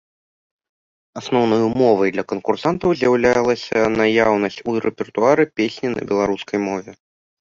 Асноўнай умовай для канкурсантаў з'яўлялася наяўнасць у рэпертуары песні на беларускай мове.